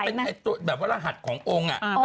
มันจะเป็นแบบว่ารหัสขององค์อ่ะ